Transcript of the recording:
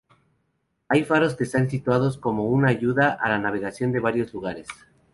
Hay faros que están situados como una ayuda a la navegación en varios lugares.